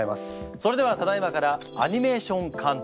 それではただいまからアニメーション監督